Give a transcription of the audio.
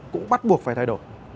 cũng bắt buộc phải thay đổi